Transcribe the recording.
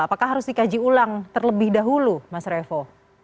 apakah harus dikaji ulang terlebih dahulu mas revo